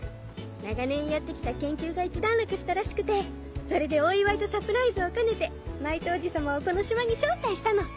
長年やって来た研究が一段落したらしくてそれでお祝いとサプライズを兼ねてマイトおじ様をこの島に招待したの。